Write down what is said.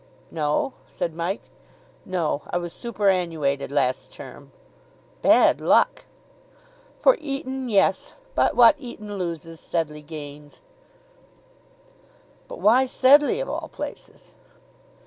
"No?" said Mike. "No. I was superannuated last term." "Bad luck." "For Eton, yes. But what Eton loses, Sedleigh gains." "But why Sedleigh, of all places?"